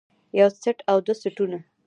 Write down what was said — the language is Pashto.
يو څټ او دوه څټونه